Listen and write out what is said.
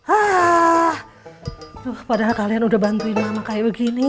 aduh padahal kalian udah bantuin mama kayak begini